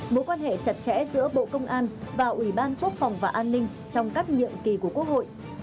mối quan hệ chặt chẽ giữa bộ công an và ủy ban quốc phòng và an ninh trong các nhiệm kỳ của quốc hội